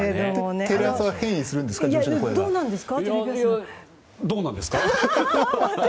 テレ朝は変異するんですか？